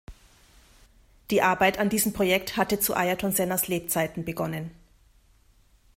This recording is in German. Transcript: Die Arbeit an diesem Projekt hatte zu Ayrton Sennas Lebzeiten begonnen.